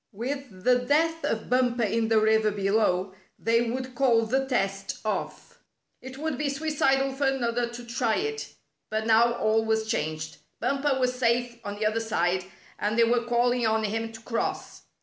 With the death of Bumper in the river below, they would call the test off. It would be suicidal for another to try it. But now all was changed. Bumper was safe on the other side, and they were calling on him to cross.